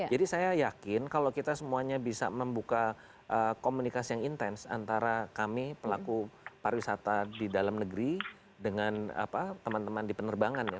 jadi saya yakin kalau kita semuanya bisa membuka komunikasi yang intens antara kami pelaku pariwisata di dalam negeri dengan teman teman di penerbangan ya